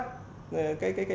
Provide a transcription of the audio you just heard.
cái nhiệm vụ của tỉnh kiên giang